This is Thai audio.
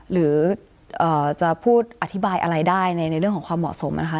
หรือจะพูดอธิบายอะไรได้ในเรื่องของความเหมาะสมนะคะ